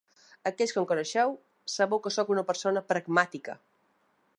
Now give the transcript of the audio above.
Aquells que em coneixeu sabeu que sóc una persona pragmàtica.